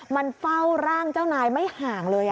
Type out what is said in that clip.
มันเฝ้าร่างเจ้านายไม่ห่างเลย